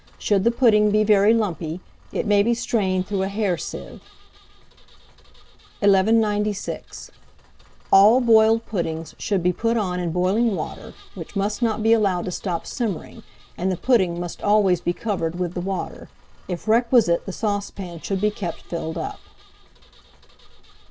Should the pudding be very lumpy, it may be strained through a hair sieve. 1196. All boiled puddings should be put on in boiling water, which must not be allowed to stop simmering, and the pudding must always be covered with the water; if requisite, the saucepan should be kept filled up.